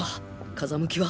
風向きは？